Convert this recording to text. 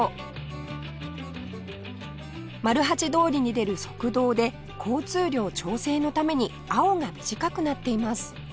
丸八通りに出る側道で交通量調整のために青が短くなっています